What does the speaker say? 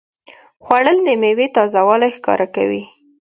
خوړل د میوې تازهوالی ښکاره کوي